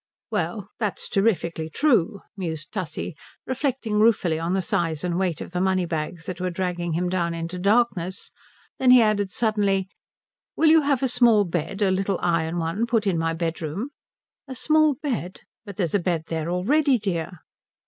"Well, that's terrifically true," mused Tussie, reflecting ruefully on the size and weight of the money bags that were dragging him down into darkness. Then he added suddenly, "Will you have a small bed a little iron one put in my bedroom?" "A small bed? But there's a bed there already, dear."